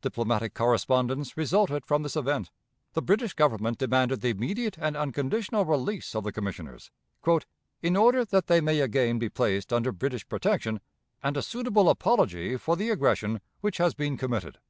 Diplomatic correspondence resulted from this event. The British Government demanded the immediate and unconditional release of the Commissioners, "in order that they may again be placed under British protection, and a suitable apology for the aggression which has been committed."